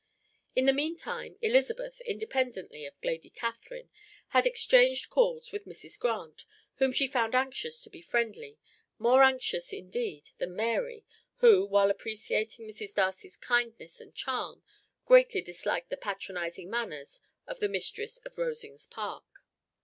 In the meantime, Elizabeth, independently of Lady Catherine, had exchanged calls with Mrs. Grant, whom she found anxious to be friendly, more anxious, indeed, than Mary, who, while appreciating Mrs. Darcy's kindness and charm, greatly disliked the patronizing manners of the mistress of Rosings Park.